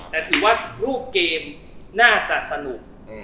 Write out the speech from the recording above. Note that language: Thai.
แต่ถือว่ารูปเกมน่าจะสนุก